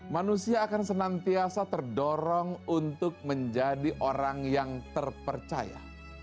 manusia akan senantiasa terdorong untuk menjadi orang yang terpercaya